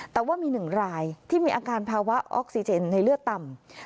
แต่ว่ามี๑รายที่มีอาการภาวะออกซิเจนในเลือดต่ำ